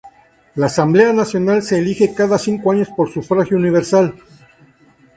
La Asamblea Nacional se elige cada cinco años por sufragio universal.